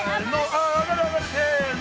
せの。